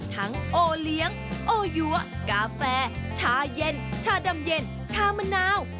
โอเลี้ยงโอยัวกาแฟชาเย็นชาดำเย็นชามะนาว